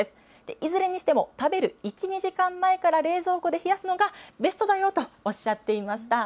いずれにしても、食べる１、２時間前から冷蔵庫で冷やすのがベストだよとおっしゃっていました。